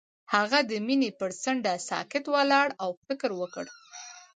هغه د مینه پر څنډه ساکت ولاړ او فکر وکړ.